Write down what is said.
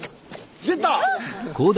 出た！